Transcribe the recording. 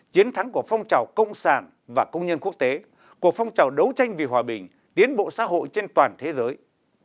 chiến thắng của phong trào cộng sản và công nhân quốc tế của phong trào đấu tranh vì hòa bình tiến bộ xã hội trên toàn thế giới